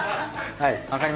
はい。